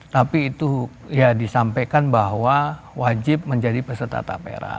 tapi itu ya disampaikan bahwa wajib menjadi peserta tapera